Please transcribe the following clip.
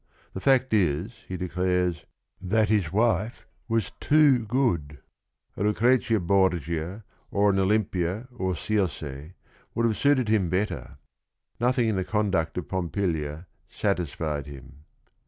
The fact is, he declares, that his wife was too good; a Lucretia Borgia or an Olimpia or Circe would have suited him better. Nothing in the conduct of Pompilia satisfied him.